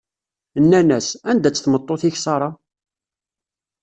Nnan-as: Anda-tt tmeṭṭut-ik Ṣara?